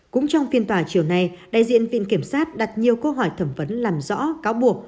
cũng trong phiên tòa chiều nay đại diện viện kiểm sát đặt nhiều câu hỏi thẩm vấn làm rõ cáo buộc